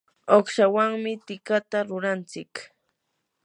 uqshawanmi tikata rurantsik.